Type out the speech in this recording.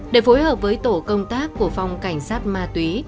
để phối hợp với tổ công tác của phòng cảnh sát ma túy